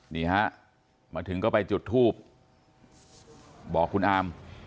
นี่ฮะมาถึงก็ไปจุดทูบบอกคุณอาม